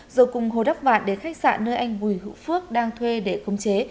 rồi cùng hồ đắp vạn đến khách sạn nơi anh bùi hữu phước đang thuê để khống chế